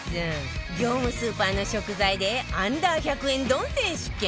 業務スーパーの食材で Ｕ−１００ 円丼選手権